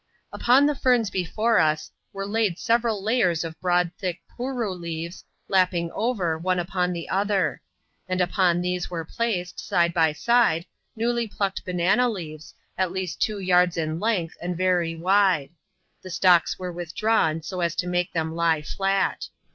Upon the ferns before us, were laid several layers of broad thick " pooroo " leaves, lapping over, one upon the other. And upon these were placed, side by side, newly plucked banana leaves, at least two yards in length, and very wide : the stalks were withdrawn, so as to make them lie flat.